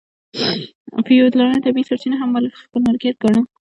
فیوډالانو طبیعي سرچینې هم خپل ملکیت ګاڼه.